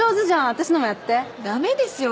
私のもやってダメですよ